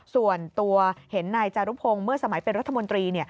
ส่วนตัวเห็นนายจารุพงศ์เมื่อสมัยเป็นรัฐมนตรี